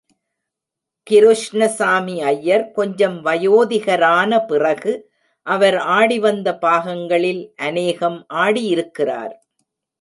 கிருஷ்ணசாமி ஐயர் கொஞ்சம் வயோதிகரான பிறகு, அவர் ஆடிவந்த பாகங்களில் அநேகம் ஆடியிருக்கிறார்.